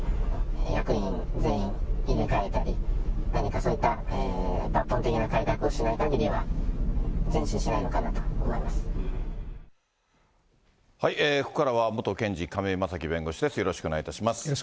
役員全員を入れ替えたり、何かそういった抜本的な改革をしないかぎりは、ここからは、元検事、亀井正貴弁護士です、よろしくお願いいたします。